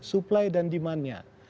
supply dan demandnya